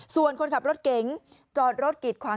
ส่วนคนขับรถเก๋งจอดรถกิดขวาง